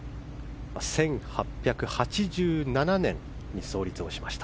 １８８７年に創立しました。